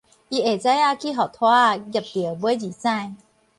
伊下早仔去予屜仔挾著尾二指